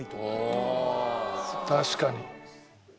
確かに。